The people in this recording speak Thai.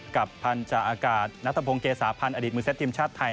กับพันธุ์จ่าอากาศนักตะพงเกสาพรรคอดิตมศศทีมชาติไทย